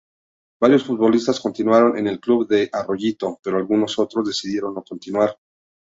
Varios futbolistas continuaron en el club de Arroyito, pero algunos otros decidieron no continuar.